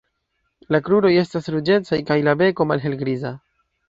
La kruroj estas ruĝecaj kaj la beko malhelgriza.